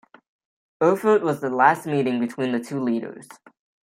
Erfurt was the last meeting between the two leaders.